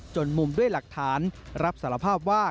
มุมด้วยหลักฐานรับสารภาพว่า